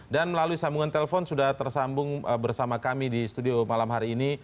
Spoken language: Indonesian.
dan melalui sambungan telepon sudah tersambung bersama kami di studio malam hari ini